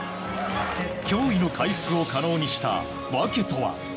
驚異の回復を可能にした訳とは。